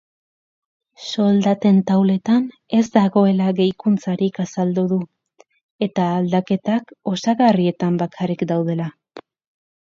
Soldaten tauletan ez dagoela gehikuntzarik azaldu du, eta aldaketak osagarrietan bakarrik daudela.